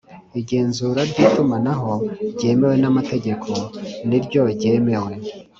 Igenzura ry itumanaho ryemewe n amategeko ni ryo ryemewe